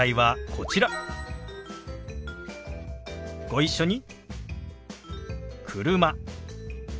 ご一緒に。